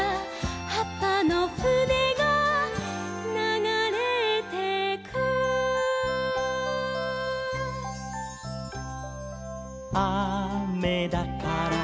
「はっぱのふねがながれてく」「あめだから」